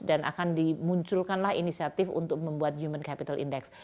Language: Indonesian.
dan akan dimunculkanlah inisiatif untuk membuat human capital index